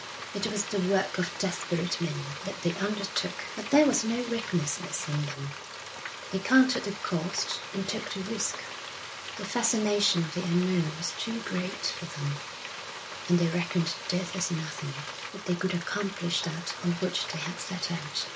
It was the work of desperate men that they undertook, but there was no recklessness in them. They counted the cost and took the risk; the fascination of the unknown was too great for them, and they reckoned death as nothing if they could accomplish that on which they had set out.